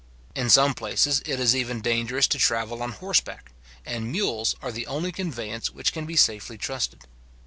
In some places it is even dangerous to travel on horseback, and mules are the only conveyance which can safely be trusted.